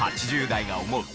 ８０代が思う